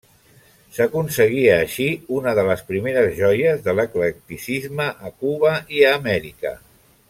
S'aconseguia, així, una de les primeres joies de l'eclecticisme a Cuba i a Amèrica.